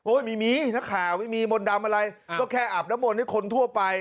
โอ้ยมีนะคะมีมนต์ดำอะไรก็แค่อาบน้ำมนต์ให้คนทั่วไป